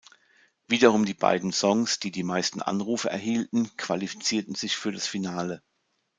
Wiederum die beiden Songs, die die meisten Anrufe erhielten, qualifizierten sich für das Finale.